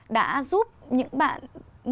đã giúp những bạn